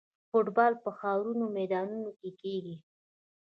فوټبال په خاورینو میدانونو کې کیږي.